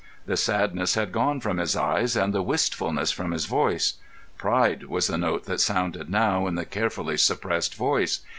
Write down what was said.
The sadness had gone from his eyes and the wistfulness from his voice. Pride was the note that sounded now in the carefully suppressed voice.